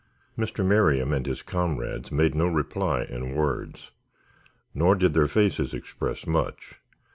Mr. Merriam and his comrades made no reply in words. Nor did their faces express much.